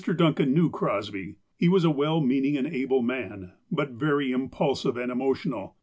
Duncan knew Crosby. He was a well meaning and able man, but very impulsive and emotional.